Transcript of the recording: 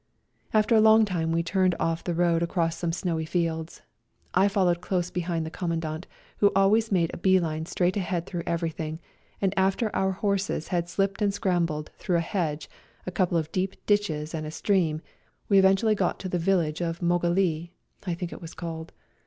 After a long time we turned oft the road across some snowy fields. I fol lowed close behind the Commandant, who always made a bee line straight ahead through everything ; and after our horses had slipped and scrambled through a hedge, a couple of deep ditches and a 76 A RIDE TO KALABAC stream we eventually got to the village of Mogilee, I think it was called.